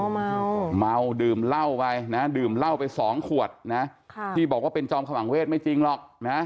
เมาเมาดื่มเหล้าไปนะดื่มเหล้าไปสองขวดนะค่ะที่บอกว่าเป็นจอมขมังเวทไม่จริงหรอกนะ